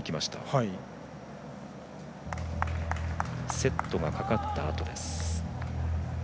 セットがかかったあとです。